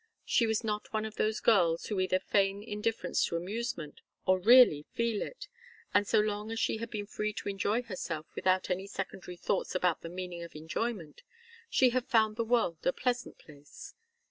She was not one of those girls who either feign indifference to amusement, or really feel it, and so long as she had been free to enjoy herself without any secondary thoughts about the meaning of enjoyment, she had found the world a pleasant place.